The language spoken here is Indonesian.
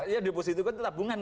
ya deposito kan tabungan